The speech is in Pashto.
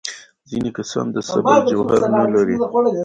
ځینې کسان د صبر جوهر نه لري.